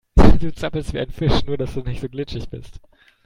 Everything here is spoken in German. Du zappelst wie ein Fisch, nur dass du nicht so glitschig bist.